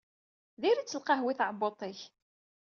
Diri-tt lqahwa i tɛebbuṭ-ik.